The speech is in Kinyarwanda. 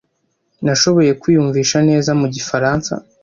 Nashoboye kwiyumvisha neza mu gifaransa.